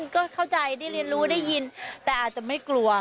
ก็เข้าใจได้เรียนรู้ได้ยินแต่อาจจะไม่กลัว